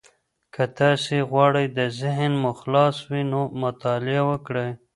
که تاسي غواړئ ذهن مو خلاص وي، نو مطالعه وکړئ.